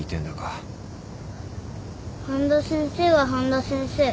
半田先生は半田先生。